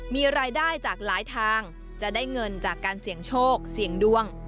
มีรายได้จากหลายทางจะได้เงินจากการเสี่ยงโชคเสี่ยงดวง